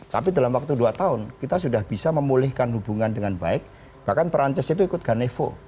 tapi dalam waktu dua tahun kita sudah bisa memulihkan hubungan dengan baik bahkan perancis itu ikut ganevo